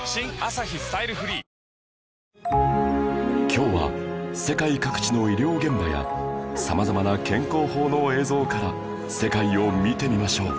今日は世界各地の医療現場や様々な健康法の映像から世界を見てみましょう